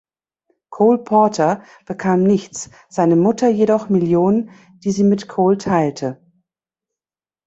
Cole Porter bekam nichts, seine Mutter jedoch Millionen, die sie mit Cole teilte.